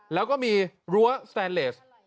แล้วก็มีรั้วสแตนเลส